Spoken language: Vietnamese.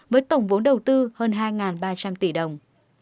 với tổng vốn đầu tư hơn hai ba trăm linh tỷ đồng